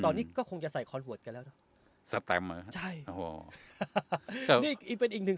ตอนนี้ก็คงจะใส่คอนโหวัดให้แล้วแสตมอ่ะใช่อ๋อนี่เป็นอีกหนึ่ง